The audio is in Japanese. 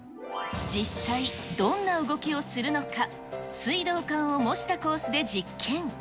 実際どんな動きをするのか、水道管を模したコースで実験。